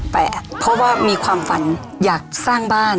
เพราะว่ามีความฝันอยากสร้างบ้าน